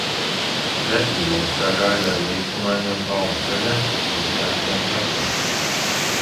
Čehija mūs sagaida ar līkumainiem kalnu ceļiem un skaistiem skatiem.